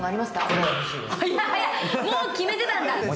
早い、もう決めてたんだ。